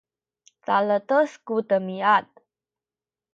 caledes ku demiad